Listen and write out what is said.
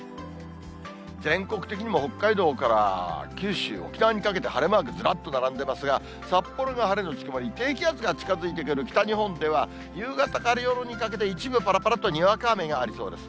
全国的にも北海道から九州、沖縄にかけて晴れマーク、ずらっと並んでますが、札幌が晴れ後曇り、低気圧が近づいてくる北日本では、夕方から夜にかけて、一部ぱらぱらっとにわか雨がありそうです。